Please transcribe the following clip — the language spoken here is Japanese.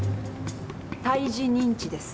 胎児認知です。